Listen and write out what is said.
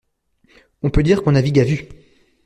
On peut dire qu'on navigue à vue.